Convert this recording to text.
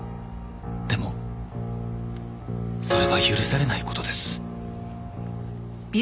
「でもそれは許されない事です」